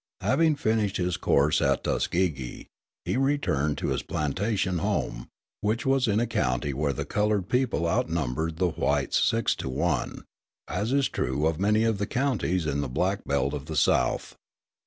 Having finished his course at Tuskegee, he returned to his plantation home, which was in a county where the coloured people outnumbered the whites six to one, as is true of many of the counties in the Black Belt of the South.